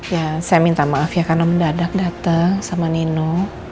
ya saya minta maaf ya karena mendadak datang sama nino